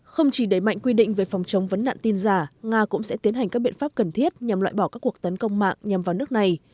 không chỉ đẩy mạnh quy định về phòng chống vấn nạn tin giả nga cũng sẽ tiến hành các biện pháp cần thiết nhằm loại bỏ các cuộc tấn công mạng nhằm vào nước này